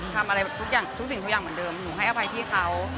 ทำอะไรทุกอย่างทุกสิ่งทุกอย่างเหมือนเดิมหนูให้อภัยพี่เขา